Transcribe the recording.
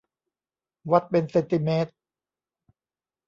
วัดเป็นเซนติเมตร